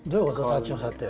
タッチの差って。